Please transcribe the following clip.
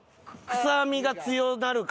臭みが強なるから。